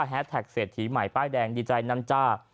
แท็กเศรษฐีใหม่ป้ายแดงดีใจน้ำจ้า